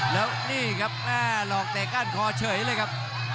แล้วนี่ครับแม่หลอกเตะก้านคอเฉยเลยครับ